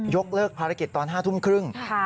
เลิกภารกิจตอน๕ทุ่มครึ่ง